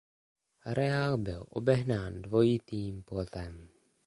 Areál byl obehnán dvojitým plotem.